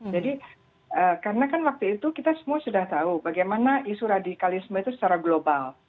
jadi karena kan waktu itu kita semua sudah tahu bagaimana isu radikalisme itu secara global